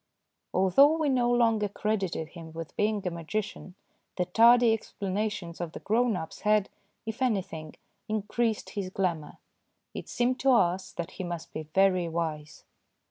Although we no longer credited him with being a magician, the tardy explanations of the grown ups had, if any thing, increased his glamour. It seemed to us that he must be very wise.